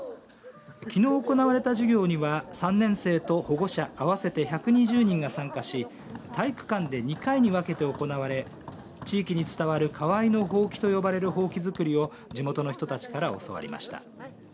きのう行われた授業には３年生と保護者合わせて１２０人が参加し体育館で２回に分けて行われ地域に伝わる河合のほうきと呼ばれるほうき作りを地元の人たちから教わりました。